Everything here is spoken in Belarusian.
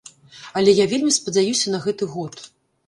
Але я вельмі спадзяюся на гэты год.